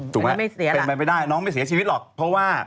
เป็นไปไม่ได้น้องไม่เสียชีวิตหรอกเพราะว่า